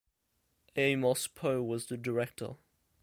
Amos Poe was the director.